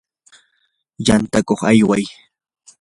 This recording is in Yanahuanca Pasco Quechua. yantakuq ayway.